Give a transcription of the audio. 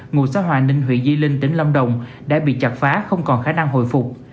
ngụ xã hòa ninh huyện di linh tỉnh lâm đồng đã bị chặt phá không còn khả năng hồi phục